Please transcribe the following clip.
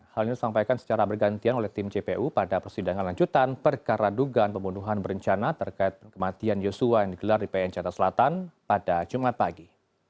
hal ini disampaikan secara bergantian oleh tim jpu pada persidangan lanjutan perkara dugaan pembunuhan berencana terkait kematian yosua yang digelar di pn cata selatan pada jumat pagi